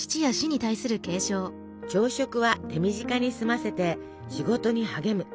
朝食は手短に済ませて仕事に励む。